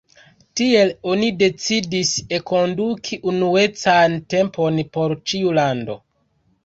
Tiel oni decidis enkonduki unuecan tempon por ĉiu lando.